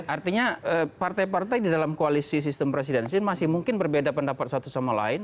artinya partai partai di dalam koalisi sistem presidensil masih mungkin berbeda pendapatan